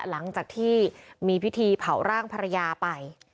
หลังจากที่มีพิธีเผาร่างภรรยาไป